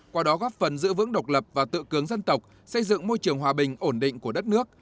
qua đó góp phần giữ vững độc lập và tự cướng dân tộc xây dựng môi trường hòa bình ổn định của đất nước